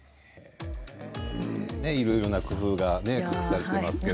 いろいろな工夫が隠されていますけど。